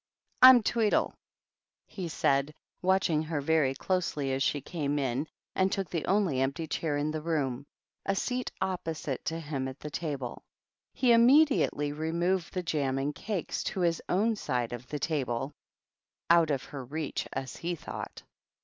"I'm Tweedle," he said, watching her very closely as she came in and took the only empty THE TWEEDI*Ea. chair in the room, a seat opposite to him at th tahle. He immediately removed the jam an cakes to his own side of the table, out of h reach as he thought.